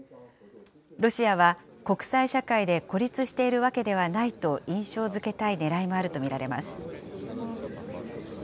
ロシアは国際社会で孤立しているわけではないと印象づけたいねらいもあると見られます。